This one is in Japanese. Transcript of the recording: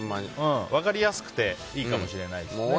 分かりやすくていいかもしれないですね。